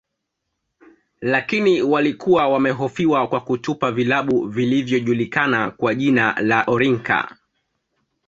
Lakini walikuwa wamehofiwa kwa kutupa vilabu vilvyojulikana kwa jina la orinka